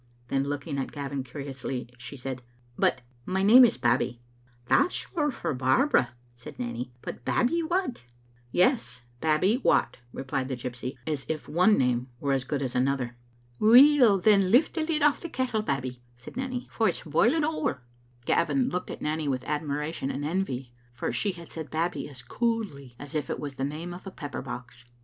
Then, looking at Gavin curiously, she said, " But my name is Babbie." " That's short for Barbara," said Nanny ;" but Babbie what?" "Yes, Babbie Watt," replied the gypsy, as if one name were as good a^ another, 9 Digitized by VjOOQIC tso tSbc Xtttle Atnt0ter. " Weel, then, lift the lid off the kettle, Babbie," said Nanny, "for it's boiling ower." Gavin looked at Nanny with admiration and envy, for she had said Babbie as coolly as if it was the name of a pepper box.